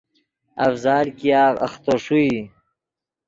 افضال ګیاغ اختو ݰوئی